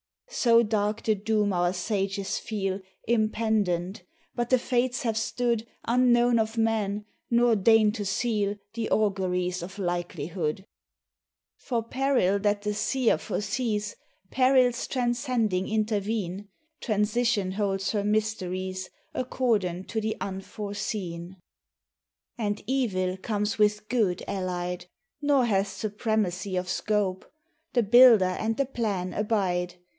So dark the doom our sages feel Impendent; but the Fates have stood Unknown of man, nor deign to seal The auguries of likelihood. For peril that the seer foresees, Perils transcending intervene: Transition holds her mysteries Accordant to the unforeseen. MEMORIAL DAY. And evil comes with good allied, Nor hath supremacy of scope. The Builder and the Plan abide.